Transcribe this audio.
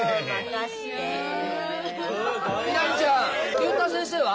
竜太先生は？